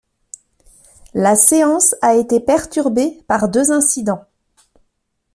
La séance a été perturbée par deux incidents.